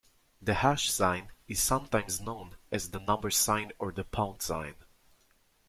The hash sign is sometimes known as the number sign or the pound sign